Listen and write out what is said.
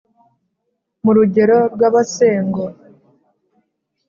mu rugero rw’abasengo